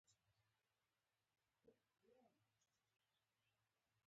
بیا یې په لرګي وهي.